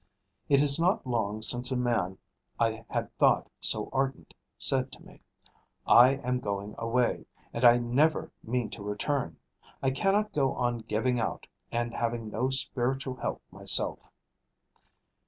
It is not long since a man I had thought so ardent said to me: "I am going away; and I never mean to return. I cannot go on giving out, and having no spiritual help myself."